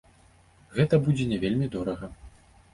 Гэта будзе не вельмі дорага.